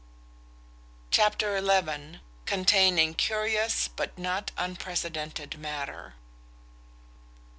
Chapter xi. Containing curious, but not unprecedented matter.